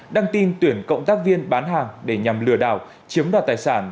đăng tin tuyển cộng tác viên bán hàng để nhằm lừa đảo chiếm đoạt tài sản